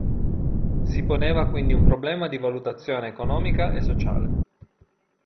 Si poneva quindi un problema di valutazione economica e sociale.